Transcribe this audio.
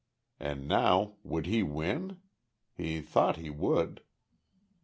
And now, would he win? He thought he would.